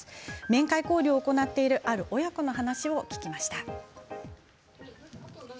面会交流を行っているある親子の話を聞きました。